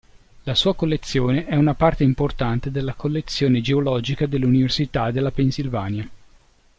La sua collezione è una parte importante della collezione geologica dell'Università della Pennsylvania.